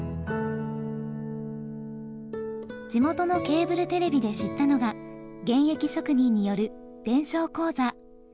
地元のケーブルテレビで知ったのが現役職人による伝承講座。